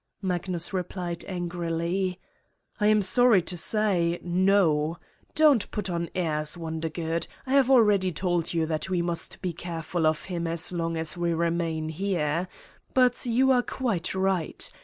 Magnus replied angrily: "I am sorry to say, no. Don't put on airs, Wondergood: I have already told you that we must be careful of him as long as we remain here. But you are quite right.